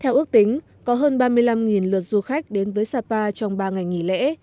theo ước tính có hơn ba mươi năm lượt du khách đến với sapa trong ba ngày nghỉ lễ